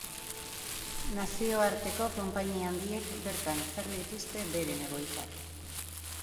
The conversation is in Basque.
Nazioarteko konpainia handiek bertan ezarri dituzte beren egoitzak.